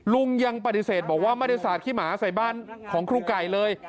ลุงยังปฏิเสธบอกว่าไม่ได้สาดขี้หมาใส่บ้านของครูไก่เลย